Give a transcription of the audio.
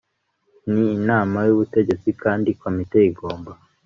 n inama y ubutegetsi kandi komite igomba